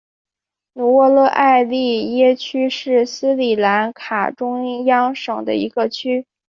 努沃勒埃利耶区是斯里兰卡中央省的一个区。